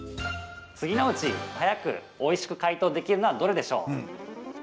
次のうち、早くおいしく解凍できるのはどれでしょう。